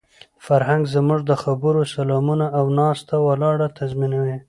فرهنګ زموږ د خبرو، سلامونو او ناسته ولاړه تنظیموي.